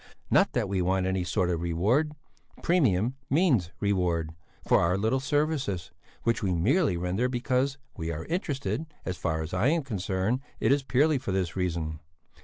Not that we want any sort of reward premium means reward for our little services, which we merely render because we are interested as far as I am concerned it is purely for this reason.